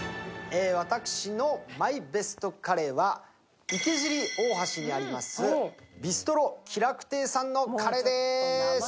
私のＭＹＢＥＳＴカレーは池尻大橋にあります、ビストロ喜楽亭さんのカレーです。